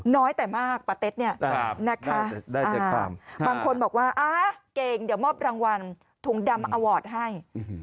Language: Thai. น้อยแต่มากปะเต็ดเนี่ยนะคะบางคนบอกว่าเก่งเดี๋ยวมอบรางวัลถุงดำมาอวอร์ดให้